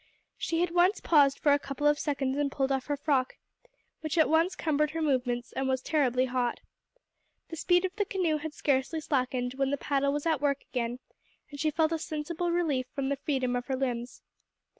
She had once paused for a couple of seconds and pulled off her frock, which at once cumbered her movements and was terribly hot. The speed of the canoe had scarcely slackened when the paddle was at work again, and she felt a sensible relief from the freedom of her limbs.